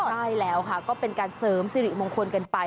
ใช่แล้วค่ะก็เป็นการเสริมสิริมงคลกันไป